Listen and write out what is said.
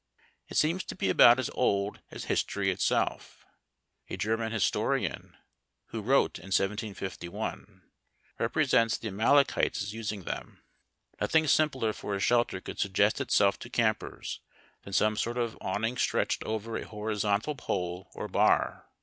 It seems to be about as old as histor}^ itself. A German historian, who wrote in 1751, represents the Amalekites as using them. Nothing simpler for a shelter could suggest itself to campers than some sort of awning stretched over a horizontal pole or bar.